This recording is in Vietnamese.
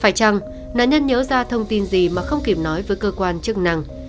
phải chăng nạn nhân nhớ ra thông tin gì mà không kịp nói với cơ quan chức năng